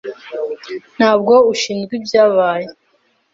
Ntabwo ushinzwe ibyabaye.